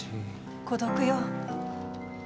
孤独よ。